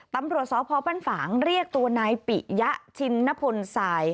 ตำรวจสพปั้นฝางเรียกตัวนายปิยะชินนพลสาย